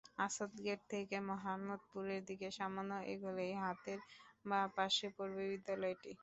আসাদগেট থেকে মোহাম্মদপুরের দিকে সামান্য এগোলেই হাতের বাঁ পাশে পড়বে বিদ্যালয়টি।